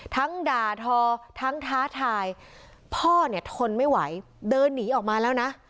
ด่าทอทั้งท้าทายพ่อเนี่ยทนไม่ไหวเดินหนีออกมาแล้วนะ